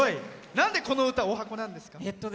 なんでこの歌、おはこなんですか。